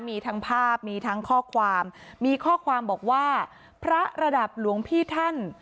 มีทั้งภาพมีทั้งข้อความมีข้อความบอกว่าพระระดับหลวงพี่ท่าน